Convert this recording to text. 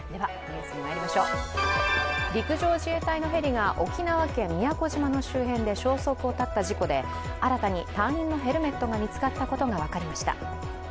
陸上自衛隊のヘリが沖縄県宮古島の周辺で消息を絶った事故で、新たに隊員のヘルメットが見つかったことが分かりました。